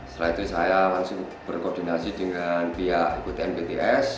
setelah itu saya langsung berkoordinasi dengan pihak bpnbts